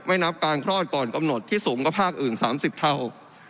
นับการคลอดก่อนกำหนดที่สูงกว่าภาคอื่น๓๐เท่า